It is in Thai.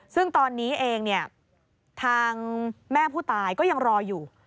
ซึ่งตอนนี้เองเนี่ยทางแม่ผู้ตายก็ยังรออยู่